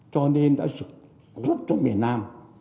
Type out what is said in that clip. cho nên đã giúp cho miền nam